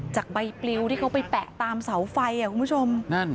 จากใบปลิวที่เขาไปแปะตามเสาไฟคุณผู้ชม